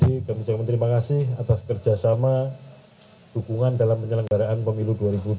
kami ucapkan terima kasih atas kerjasama dukungan dalam penyelenggaraan pemilu dua ribu dua puluh